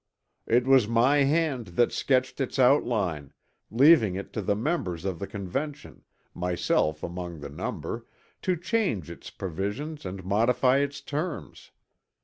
It was my hand that sketched its outline, leaving it to the members of the Convention, myself among the number, to change its provisions and modify its terms.